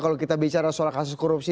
kalau kita bicara soal kasus korupsi